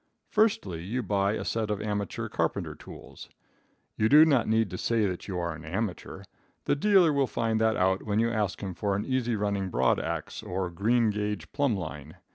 Firstly, you buy a set of amateur carpenter tools. You do not need to say that you are an amateur. The dealer will find that out when you ask him for an easy running broad ax or a green gage plumb line.